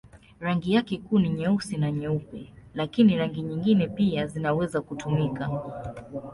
Rangi yake kuu ni nyeusi na nyeupe, lakini rangi nyingine pia zinaweza kutumika.